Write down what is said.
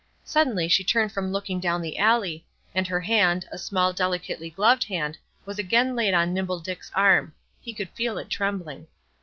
Suddenly she turned from looking down the alley, and her hand, a small, delicately gloved hand, was again laid on Nimble Dick's arm; he could feel it trembling.